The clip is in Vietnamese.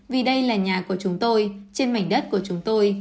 vì đây là nhà của chúng tôi trên mảnh đất của chúng tôi